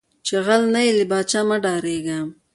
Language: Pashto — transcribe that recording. چې غل نۀ یې، لۀ پاچا نه مۀ ډارېږه